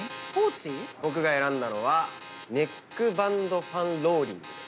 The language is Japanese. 僕が選んだのはネックバンドファンＲｏｌｌｉｎｇです。